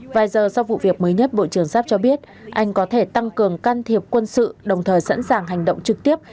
vài giờ sau vụ việc mới nhất bộ trưởng sharp cho biết anh có thể tăng cường can thiệp quân sự đồng thời sẵn sàng hành động trực tiếp